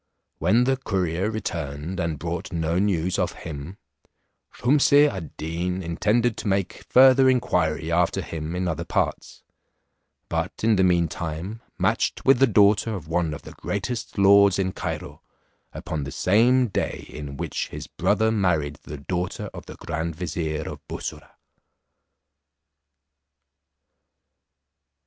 When the courier returned and brought no news of him, Shumse ad Deen intended to make further inquiry after him in other parts; but in the meantime matched with the daughter of one of the greatest lords in Cairo, upon the same day in which his brother married the daughter of the grand vizier, of Bussorah.